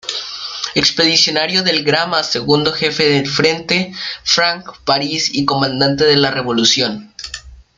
Expedicionario del Granma, segundo jefe del Frente Frank País y Comandante de la Revolución.